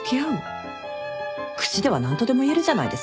口では何とでも言えるじゃないですか。